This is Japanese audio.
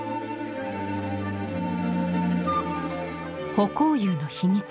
葆光釉の秘密。